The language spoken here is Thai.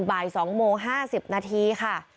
บ่าย๒โมง๕๐นาทีค่ะ